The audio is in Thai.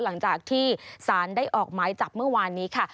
หลังจากที่สารได้ออกหมายจับเมื่อวานนี้ค่ะ